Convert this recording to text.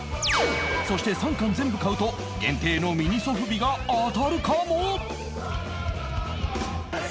そして３巻全部買うと限定のミニソフビが当たるかも